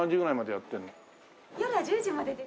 夜は１０時までです。